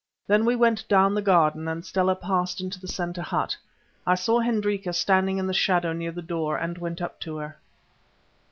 Then we went down the garden, and Stella passed into the centre hut. I saw Hendrika standing in the shadow near the door, and went up to her.